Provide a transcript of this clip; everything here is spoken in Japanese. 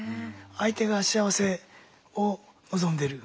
相手が幸せを望んでる。